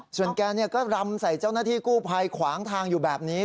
ส่วนแกก็รำใส่เจ้าหน้าที่กู้ภัยขวางทางอยู่แบบนี้